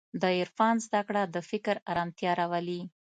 د عرفان زدهکړه د فکر ارامتیا راولي.